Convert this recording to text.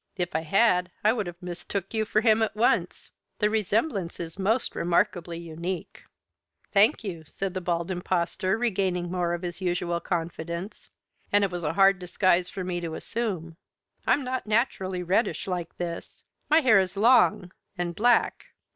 If I had I would have mistook you for him at once. The resemblance is most remarkably unique." "Thank you!" said the Bald Impostor, regaining more of his usual confidence. "And it was a hard disguise for me to assume. I'm not naturally reddish like this. My hair is long. And black.